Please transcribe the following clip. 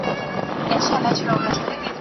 د لاندې شعر د څو بیتونو